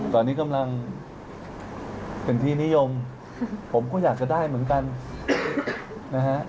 ตอนนี้กำลังเป็นที่นิยมผมก็อยากจะได้เหมือนกันนะฮะ